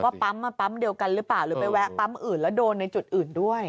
ปั๊มมันปั๊มเดียวกันหรือเปล่าหรือไปแวะปั๊มอื่นแล้วโดนในจุดอื่นด้วย